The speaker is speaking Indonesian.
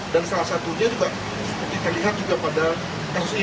dan salah satunya juga seperti terlihat pada kasus ini